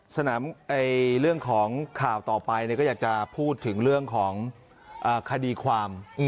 สนามเรื่องของข่าวต่อไปก็อยากจะพูดถึงเรื่องของคดีความ